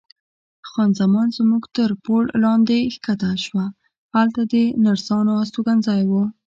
خان زمان زموږ تر پوړ لاندې کښته شوه، هلته د نرسانو استوګنځای و.